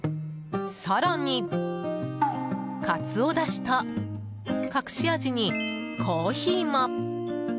更に、カツオだしと隠し味にコーヒーも。